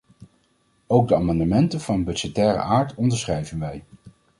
Ook de amendementen van budgettaire aard onderschrijven wij.